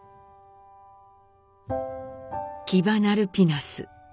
キバナルピナス